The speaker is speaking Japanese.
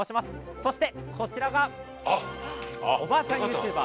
そしてこちらがおばあちゃんＹｏｕＴｕｂｅｒ